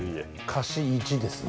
貸し１ですね